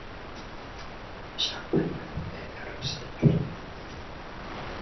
সাত ভাইবোনের মধ্যে অ্যাডামস ছিলেন চতুর্থ।